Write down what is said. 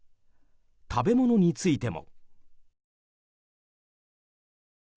食べ物についても。